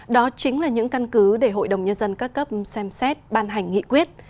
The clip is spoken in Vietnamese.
đó chính là những căn cứ để hội đồng nhân dân các cấp xem xét ban hành nghị quyết